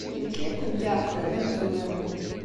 D nekk ay kent-iɛeqlen d amezwaru.